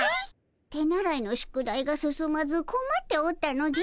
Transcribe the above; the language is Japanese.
手習いの宿題が進まずこまっておったのじゃ。